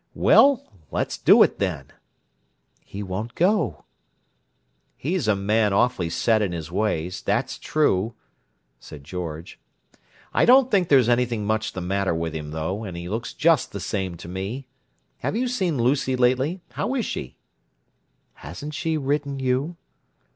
"Well, let's do it, then." "He won't go." "He's a man awfully set in his ways; that's true," said George. "I don't think there's anything much the matter with him, though, and he looks just the same to me. Have you seen Lucy lately? How is she?" "Hasn't she written you?"